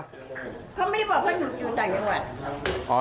เขามิดบอกเพื่อนหนูอยู่ในกังวด